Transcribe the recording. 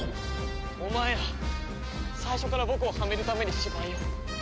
お前ら最初から僕をハメるために芝居を。